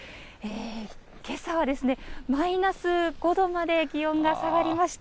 けさはですね、マイナス５度まで気温が下がりました。